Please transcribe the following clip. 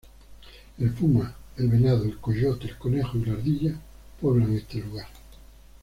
El puma, el venado, el coyote, el conejo y la ardilla pueblan este lugar.